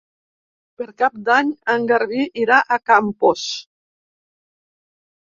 Per Cap d'Any en Garbí irà a Campos.